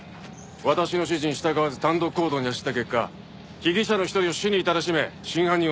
私の指示に従わず単独行動に走った結果被疑者の一人を死に至らしめ真犯人を逃す事になった。